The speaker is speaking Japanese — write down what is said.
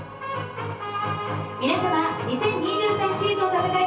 ・皆さま２０２３シーズンを戦います